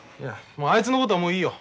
あいつのことはもういいよ。